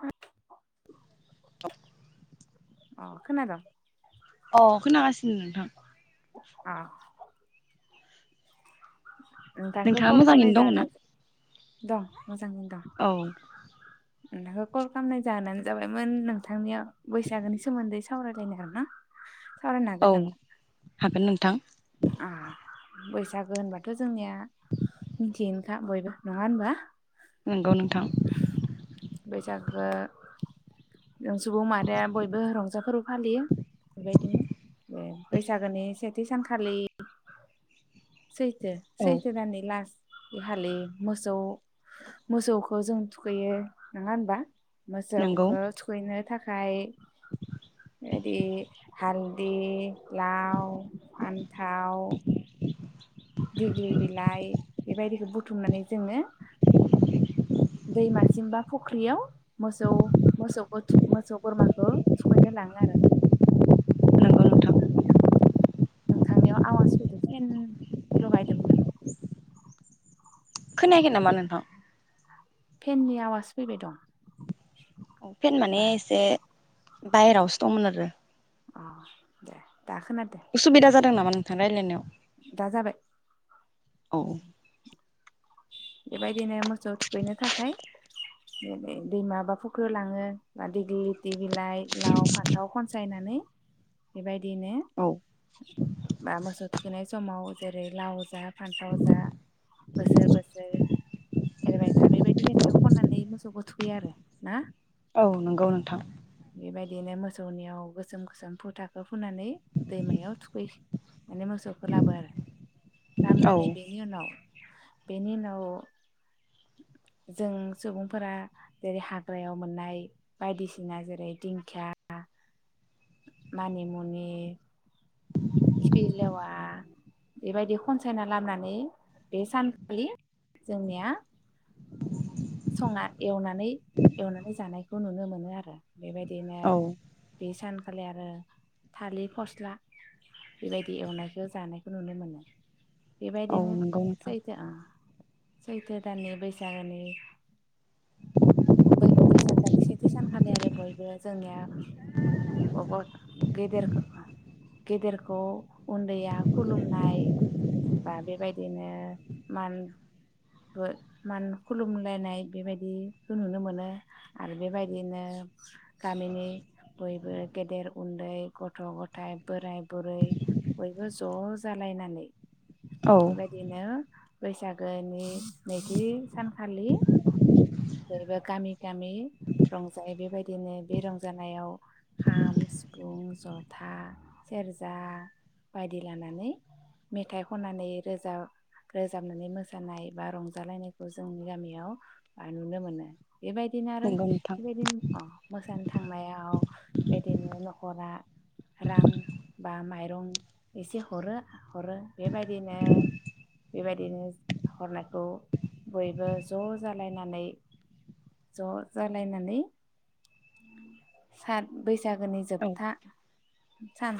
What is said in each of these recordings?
आ [unintelligible] अ। खोनादं? अ खोनागासिनो नोंथां। ओ। [unintelligible] नोंथांखौ नोंथाङा कल खालामनाय मोजाङैनो दङ ना? जाहोना जा दं। मोजाङैनो दं। औ नोंथांखौ कल खालामनाय जाहीनानो जाबायमोन नोंथांनियाव। बैसागोनि सोमोन्दै। सावरायलायनो आरोना। औ हागोन नोंथां। आह बैसागो होनबाथ जोंनिया मिथियोनखा बयबो नङा होनबा। नंगौ नोंथां। गो। जों सुबुं माहारिया बयबो रंजा फोरबो फालियो बेबायदिनो ओ बैसागोनि सेथि सानखालि। सैथो औ सैथो दाननि लास। बे हालि मोसौ मोसौखौ जों थुखैयो नङा होनबा। नंगौ मोसोखो [unintelligible] थाखाय बेबायदि हालदै लाव फान्थाव। दिग्लि बिलाइ बेबायदिखौ बुथुमनानै जोङो दैमासिम बा फुख्रियाव मोसौ मोसौखौ मोसौ बोरमाखौ सुखैनो लाङो आरो। नंगौ नोंथां नोंथांनियाव आवाज फैदो फेन लगायदोंमोन नामा। खोनायाखै नामा नोंथां। फेननि आवाज फैबाय दं। अ फेन माने बा एसे। बायेरावसो दंमोन आरो। अ दे। दा खोनादो उसुबिदा जादों नामा नोंथां। रायलायनायाव। दा जाबाय। औ बेबायदिनो मोसौ थुखैनो थाखाय दैमा बा फुख्रियाव लाङो बा दिग्लि लिथि बिलाइ लाव फान्थाव खनसायनानै बेबायदि बिदिनो औ बा मोसौ थुखनाय समाव जेरै लाव जा फान्थाव जा बोसोर बोसोर एरबायथा बेबायदि मेथाइखौ खननानै मोसौखौ थुखैयो आरो ना औ नंगौ नोंथां। बेबायदिनो मोसौनियाव गोसोम गोसोम फु थाखो फुनानै दैमायाव थुखै माने मोसौखौ लाबो आरो औ लाबानै बेनि उनाव बेनि उनाव जों सुबुंफोरा जेरै हाग्रायाव मोननाय बायदिसिना जेरै दिंखिया मानिमुनि खिफ लेवा बेबायदि खनसायना लामोननानै बे सानखालि जोंनिया संना एवनानै एवनानै जानायखौ नुनो मोनो आरो। बेबायदिनो औ बे सान [unintelligible] खालि आरो थालिर फस्ला बेबायदि एवनायखौ जानायखौ नुनो मोनो औ बेबायदिनो नंगौ नोंथां सैथो आं सैथो दानि बैसागोनि बैसागोनि सेथि सानखालि आरो बयबो जोंनिया बबा गेदेर गेदेरखौ उन्दैया खुलुमनाय बा बेबायदिनो मान मान खुलुमलायनाय बेबायदिखौ नुनो मोनो आरो बेबायदिनो गामिनि बयबो गेदेर उन्दै गथ गथायाइ बोराय बुरै बयबो ज जालायनानै औ बेबायादनो बैसागोनि नैथि सानखालि बयबो गामि गामि रंजायो बेबायदिनो बे रंजानायाव खाम सिफुं जथा सेरजा बायदि लानानै मेथाइ खनानै रोजाब रोजाबनानै मोसानाय बा रंजालायनायखौ जोंनि गामियाव ओ नुनो मोनो बेबायदिनो आरो नंगौ नोंथां बेबायदि अ मोसानो थांनायाव बिदिनो नखरा रां बा माइरं एसे हरो हरो बेबायदिनो बेबायदिनो हरनायखौ बयबो ज जालायनानै ज जालायनानै सा बैसा बैसागोनि औ जोबथा सान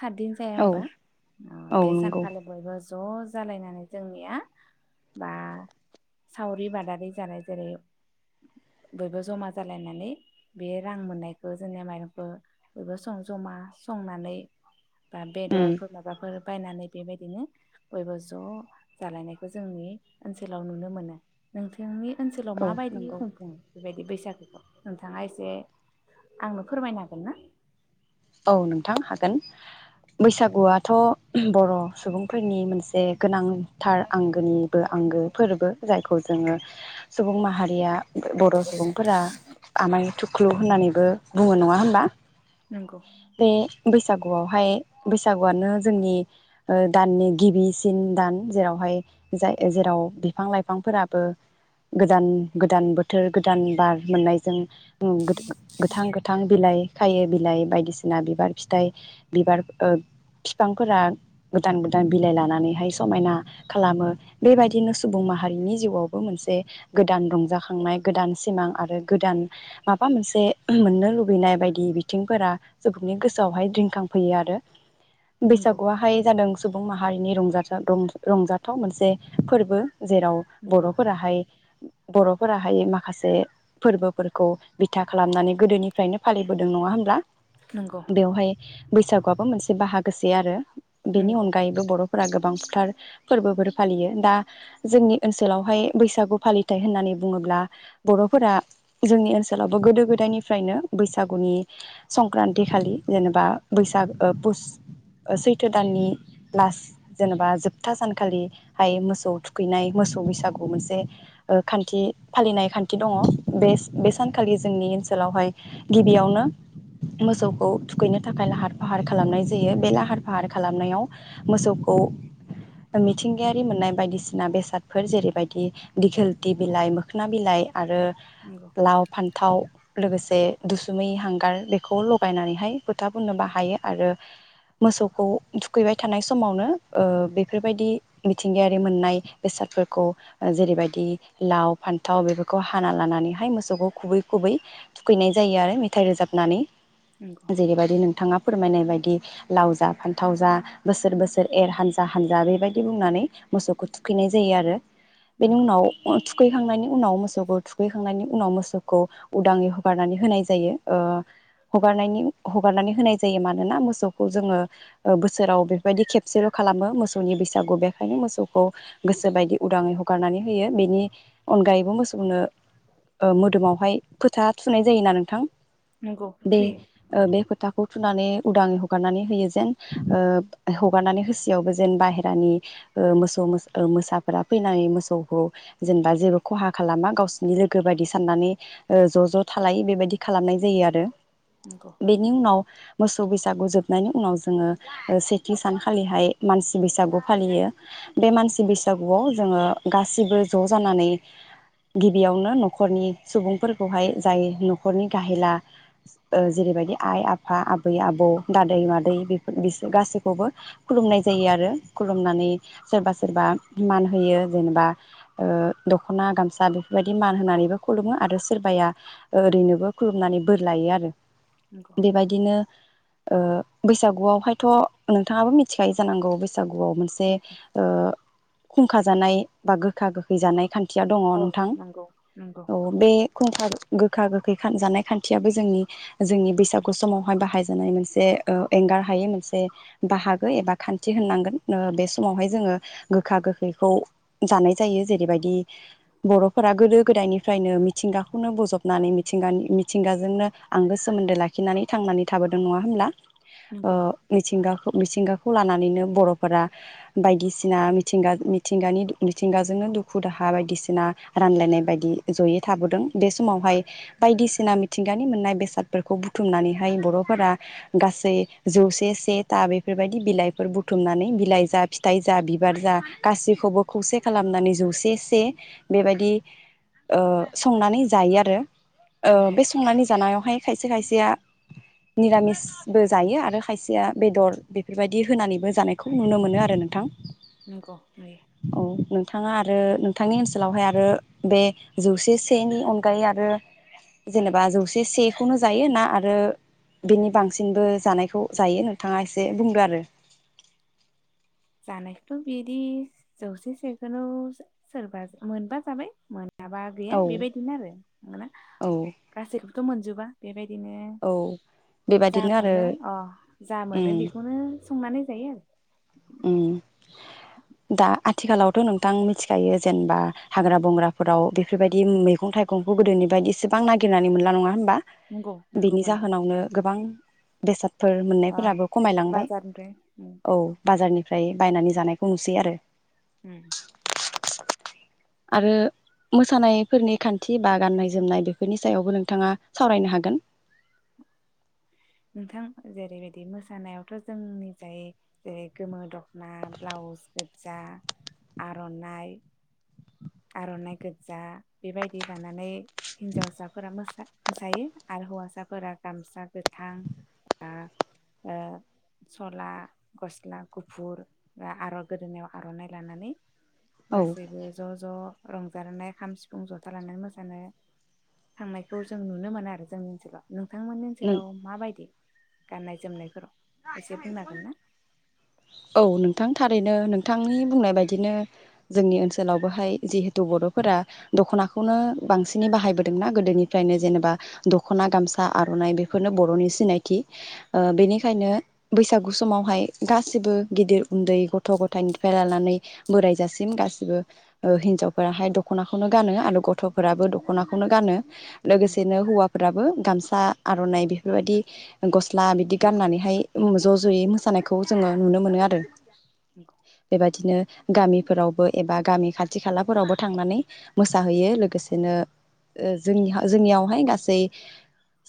सातदिन जाया औ होनबा अ औ बे नंगौ सानखालि बयबो ज जालायनानै जोंनिया बा सावरि बादारि जानाय जेरै बयबो जमा जालायनानै बे रां मोननायखौ जोंनिया माइरंखौ बयबो सं जमा संनानै बा उम बेदरफोर माबाफोर बायनानै बेबायदिनो बयबो ज जालायनायखौ जोंनि ओनसोलाव नुनो मोनो नोंथांनि ओनसोलाव औ माबायदि नंगौ खुंफुङो बेबायदि बैसागु नोंथाङा एसे आंनो फोरमायनो हागोन ना औ नोंथां हागोन बैसागुआथ बर सुबुंफोरनि मोनसे गोनांथार आंगोनिबो आंगो फोरबो जायखौ जोङो सुबुं माहारिया बर सुबुंफोरा आमाय थुख्लु होननानैबो बुङो नङा होमबा नंगौ बैसागुआव हाय बैसागुआनो जोंनि ओ दाननि गिबिसिन दान जेरावहाय जाय जेराव बिफां लाइफांफोराबो गोदान गोदान बोथोर गोदान बार मोननायजों गोथां गोथां बिलाइ खायो बिलाइ बायदिसिना बिबार फिथाइ बिबार बिफांफोरा गोदान गोदान बिलाइ लानानैहाय समायना खालामो बेबायदिनो सुबुं माहारिनि जिउआवबो मोनसे गोदान रंजाखांनाय गोदान सिमां आरो गोदान माबा मोनसे मोननो लुबैनाय बायदि बिथिंफोरा सुबुंनि गोसोआवहाय रिंखां फैयो आरो नंगौ बैसागुआहाय जादों सुबुं माहारि रंजा रंजा रंजाथाव मोनसे फोरबो जेराव नंगौ बरफोराहाय बरफोराहाय माखासे फोरबोफोरखौ बिथा खालामनानै गोदोनिफ्रायनो फालिबोदों नङा होनब्ला नंगौ बेवहाय बैसागुआबो मोनसे बाहागो लोगोसे आरो बेनि नंगौ अनगायैबो बरफोरा गोबां गोथार फोरबोफोर फालियो दा जोंनि ओनसोलावहाय बैसागु फालिथाइ होननानै बुङोब्ला बरफोरा जोंनि ओनसोलावबो गोदो गोदायनिफ्रायनो बैसागुनि संक्रान्ति खालि जेनेबा बैसागु फुस सैथो दाननि लास जेनेबा जोबथा सानखालिहाय मोसौ थुखैनाय मोसौ बैसागु मोनसे ओ खान्थि फालिनाय खान्थि दङ बे बे सानखालि जोंनि ओनसोलावहाय गिबियावनो मोसौखौ थुखैनो थाखाय लाहार फाहार खालामनाय जायो बे लाहार फाहार खालामनायाव मोसौखौ मिथिंगायारि मोननाय बायदिसिना बेसादफोर जेरैबायदि दिखोलथि बिलाइ मोखोना बिलाइ आरो नंगौ लाव फान थाव लोगोसे दुसुमै हांगार खौ लगायनानैहाय फोथा फुननो बाहायो आरो मोसौखौ थुखैबाय थानाय समावनो ओ बेफोर बायदि मिथिंगायारि मोननाय बेसादफोरखौ जेरैबायदि लाव फान्थाव बेफोरखौ हाना लानानैहाय मोसौखौ खुबै खुबै थुखैनाय जायो आरो मेथाइ रोजाबनानै नंगौ जेरै बायदि नोंथाङा फोरमायनाय बायद दि लाव जा फान्थाव जा बोसोर बोसोर एर हानजा हानजा बेबायदि बुंनानै मोसौखौ थुखैनाय जायो आरो। बेनि नंगौ उनाव ओ थुखैखांनायनि उनाव मोसौखौ थुखैखांनायनि उनाव मोसौखौ उदाङै हगारनानै होनाय जायो ओ हगारनायनि हगारनानै होनाय जायो मानोना मोसौखौ जोङो ओ बोसोराव बेफोरबायदि खेबसेल खालामो मोसौनि बैसागु बेखायनो मोसौखौ गोसो बायदि उदाङै हगारनानै होयो बेनि अनगायैबो मोसौनो ओ मोदोमावहाय फोथा थुनाय जायो ना नोंथां। नंगौ बे थैयो ओ बे फोथाखौ थुनानै उदाङै हगारनानै होयो जेन ओ हगारनानै होसेयावबो जेन बाहेरानि मोसौ मोसाफोरा फैनानै मोसौखौ जेनेबा जेबो खहा खालामा गावसिनि लोगो बायदि साननानै ओ ज ज थालायो बेबायदि खालामनाय जायो आरो। नंगौ बेनि उनाव। मोसौ बैसागु जोबनायनि उनाव जोङो ओ सेथि सानखालिहाय मानसि बैसागु फालियो बे मानसि बैसागुआव जोङो गासिबो ज जानानै गिबियावनो नखरनि सुबुंफोरखौहाय जाय नखरनि गाहेला ओ जेरैबायदि आइ आफा आबै आबौ दादै मादै बेफोर बिसोर गासैखौबो खुलुमनाय जायो आरो खुलुमनानै सोरबा सोरबा मान होयो जेनेबा दखना गामसा बेफोरबायदि मान होनानैबो खुलुमो आरो सोरबाया ओरैनोबो खुलुमनानै बोर लायो आरो नंगौ बेबायदिनो ओ बैसागुआवहायथ नोंथाङाबो मिथिखायो जानांगौ बैसाग सागुआव मोनसे नंगौ ओ खुंखा जानाय बा गोखा गोखै जानाय खान थिया दङ औ नोंथां नंगौ नंगौ औ बे खुंखा गोखा गोखै खान जानाय खान्थियाबो जोंनि जोंनि बैसागु समावहाय बाहाय जानाय मोनसे ओ एंगार हायै मोनसे बाहागो एबा खान्थि होननांगोन ओ बे समावहाय जोङो गोखा गोखैखौ जानाय जायो जेरैबायदि बर'फोरा गोदो गोदायनिफ्रायनो मिथिंगाखौनो बोजबनानै मिथिंगानि मिथिंगाजोंनो आंगो सोमोन्दो लाखिनानै थांनानै थाबोदों नङा होमब्ला? अ नंगौ मिथिंगाख मिथिंगाखौ लानानैनो बर'फोरा बायदिसिना मिथिंगा मिथिगानि मिथिंगाजोंनो दुखु दाहा बायदिसिना रानलायनाय बायदि जयै थाबोदों बे समावहाय बायदिसिना मिथिंगानि मोननाय बे सादफोरखौ बुथुमनानैहाय बर'फोरा गासै जौसे से था बेफोरबायदि बिलाइफोर बुथुमनानै बिलाइ जा फिथाइ जा बिबार जा गासैखौबो खौसे खालामनानै जौसे से बेबायदि ओ संनानै जायो आरो ओ नंगौ बे संनानै जानायावहाय खायसे खायसेया मिरामिसबो जायो आरो खायसेया बेदर बेफोरबायदि होनानैबो जानायखौ नुनो मोनो आरो नोंथां। नंगौ नै औ नोंथाङा आरो नोंथांनि ओनसोलावहाय आरो बे जौसे सेनि अनगायै आरो जेनेबा जौसे से खौनो जायो ना आरो बेनि बांसिनबो जानायखौ जायो नोंथाङा इसे बुंदो आरो जानायखौथ बिदि जौसे सेखोनो सोरबा मोनबा जाबाय मोन माबा गैया औ बेबायदिनो आरो मोनोना औ गासैखौबोथ मोनजोबा। बेबायद बिदिनो औ जा बेबादिनो आरो मोनो अ जा उम मोनो बेखौनो संनानै जायो आरो उम दा आथिखालावथ नोंथां मिथिखायो जेनेबा हाग्रा बंग्राफोराव बेफोरबायदि मैगं थाइगंखौ गोदोनि बायदि इसेबां नागिरनानै मोनला नङा होन बा नंगौ नंगौ बिनि मोनला जाहोनावनो गोबां बेसाद फोर अ मोननायफोराबो खमायलांबाय बाजारनिफ्राय उम औ बाजारनिफ्राय बायनानै जानायखौ नुसै आरो उम आरो मोसानायफोरनि खान्थि बा गाननाय जोमनाय बेफोरनि सायावबो नोंथाङा सावरायनो हागोन नोंथां जेरैबायदि मोसानायावथ जोंनि जाय जेरै गोमो दखना ब्लाउस गोजा आरनाइ आरनाइ गोजा बेबायदि लानानै हिनजावसाफोरा मोसा मोसायो आरो हौवासाफोरा गामसा गो थां आ ओ सला गस्ला गुफुर आर गोदोनायाव आरनाइ लानानै औ गासैबो ज ज रंजानानै खाम सिफुं जथा लानानै मोसानो थांनायखौ जों नुनो मोनो आरो जोंनि ओनसोलाव नोंथांमोन नों हेलौ माबायदि। गाननाय जोमनायफोराव। एसे बुंनो हागोन ना? [unintelligible] औ नोंथां थारैनो नोंथांनि बुंनाय बायदिनो जोंनि ओनसोलावबोहाय जिहेथु बरफोरा दखनाखौनो बांसिनै बाहायबोदोंना गोदोनिफ्रायनो जेनेबा दखना गामसा आरनाइ बेफोरनो बरनि सिनायथि ओ बेनि ओंखायनो बैसागु समावहाय गासिबो गिदिर उन्दै गथ गथायाइनिफ्राय लानानै बोराय जासिम गाासिबो ओ हिनजावफोराहाय दखनाखौनो गानो आरो गथफोराबो दखनाखौनो गानो। नंगौ लोगोसेनो हौवा फोराबो गामसा आरनाइ बेफोर बायदि गस्ला बिदि गाननानै हाय ज ज यै मोसानायखौ जोङो नुनो मोनो आरो। नंगौ। बेबायदिनो गामिफोरावबो एबा गामि खाथि खालाफोरावबो थांनानै मोसाहैयो लोगोसेनो ओ जों जोंनियावहाय गासै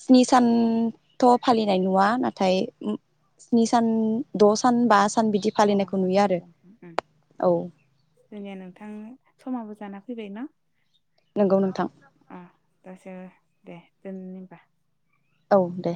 स्नि सानथ फालिनाय नुवा नाथाय स्नि सान द सान बा सान बिदि फालिनायखौ [unintelligible] नुयो आरो औ जोंनिया नोंथां समाबो जाना फैबायना। नंगौ नोंथां अ दासो दे दोननि होनबा। औ दे।